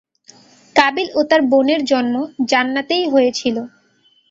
কাবীল ও তার বোনের জন্ম জান্নাতেই হয়েছিল।